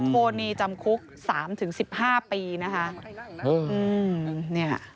โทษนี้จำคุก๓๑๕ปีนะคะ